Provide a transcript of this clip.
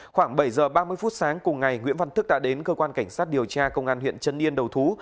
khoảng bảy giờ ba mươi phút sáng cùng ngày nguyễn văn thức đã đến cơ quan cảnh sát điều tra công an huyện trân yên đầu thú